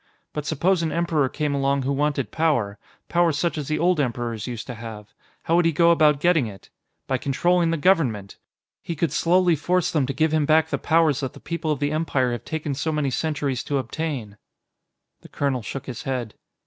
But suppose an Emperor came along who wanted power power such as the old Emperors used to have. How would he go about getting it? By controlling the Government! He could slowly force them to give him back the powers that the people of the Empire have taken so many centuries to obtain." The colonel shook his head.